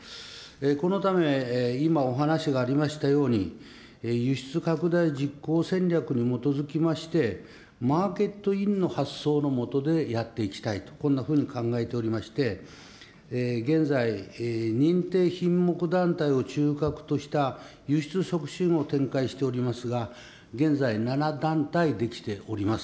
このため、今お話がありましたように、輸出拡大実行戦略に基づきまして、マーケットインの発想の下でやっていきたいと、こんなふうに考えておりまして、現在、認定品目団体を中核とした輸出促進を展開しておりますが、現在、７団体できております。